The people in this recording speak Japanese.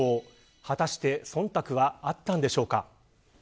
果たして忖度はあったんでしょうか。